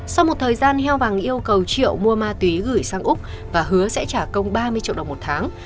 sau một thời gian heo vàng yêu cầu triệu mua ma túy gửi sang úc và hứa sẽ trả công ba mươi triệu đồng một tháng